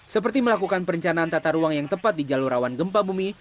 seperti melakukan perencanaan tata ruang yang tepat di jalur rawan gempa bumi